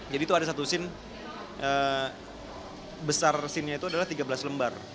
jadi itu ada satu scene besar scenenya itu adalah tiga belas lembar